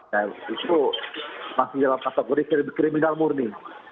nah itu masih dalam kategori kriminal murni